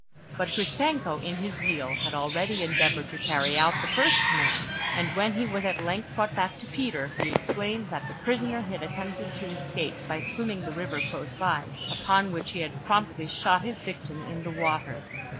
But Gritzenko, in his zeal, had already endeavoured to carry out the first command; and when he was at length brought back to Peter, he explained that the prisoner had attempted to escape by swimming the river close by, upon which he had promptly shot his victim in the water.